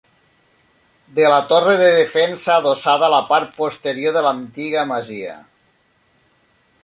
De la torre de defensa adossada a la part posterior de l'antiga masia.